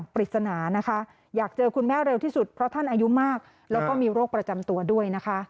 เพราะท่านอายุมากแล้วก็มีโรคประจำตัวด้วยนะคะ